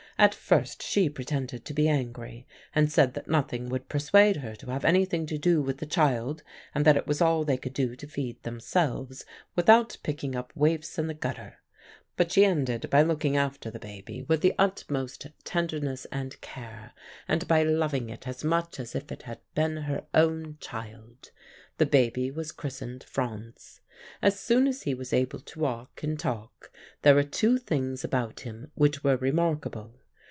At first she pretended to be angry, and said that nothing would persuade her to have anything to do with the child, and that it was all they could do to feed themselves without picking up waifs in the gutter; but she ended by looking after the baby with the utmost tenderness and care, and by loving it as much as if it had been her own child. The baby was christened Franz. As soon as he was able to walk and talk there were two things about him which were remarkable.